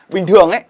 bình thường ấy